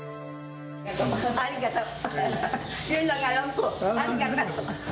ありがとう。